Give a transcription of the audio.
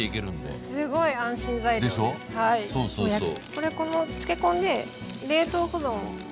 これこの漬け込んで冷凍保存も？